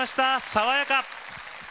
爽やか。